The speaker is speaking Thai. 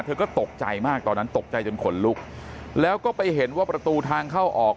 เธอก็ตกใจมากตอนนั้นตกใจจนขนลุกแล้วก็ไปเห็นว่าประตูทางเข้าออก